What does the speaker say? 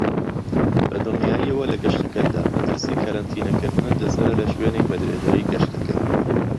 بەدڵنیاییەوە لە گەشتەکەتدا مەترسی کەرەنتینە کردنت لەسەرە لەشوێنێک بەدرێژایی گەشتەکە.